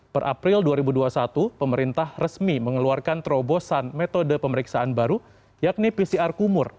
per april dua ribu dua puluh satu pemerintah resmi mengeluarkan terobosan metode pemeriksaan baru yakni pcr kumur